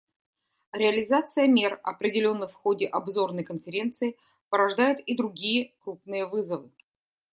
Реализация мер, определенных в ходе обзорной Конференции, порождает и другие крупные вызовы.